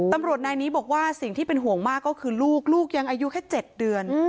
ตำรวจนายนี้บอกว่าสิ่งที่เป็นห่วงมากก็คือลูกลูกยังอายุแค่๗เดือน